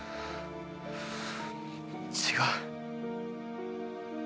違う。